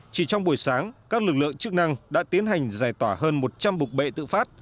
chỉ trong buổi sáng các lực lượng chức năng đã tiến hành giải tỏa hơn một trăm linh bục bệ tự phát